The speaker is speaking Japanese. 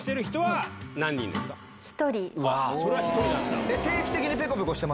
それは１人なんだ。